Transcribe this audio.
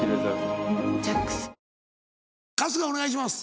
お願いします。